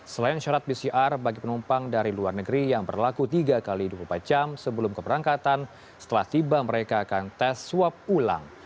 selain syarat pcr bagi penumpang dari luar negeri yang berlaku tiga x dua puluh empat jam sebelum keberangkatan setelah tiba mereka akan tes swab ulang